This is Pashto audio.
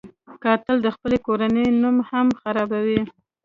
قاتل د خپلې کورنۍ نوم هم خرابوي